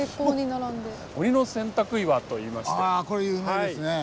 ああこれ有名ですね。